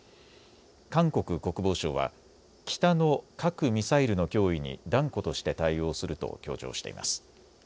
韓国国防省は北の核・ミサイルの脅威に断固として対応すると強調しています。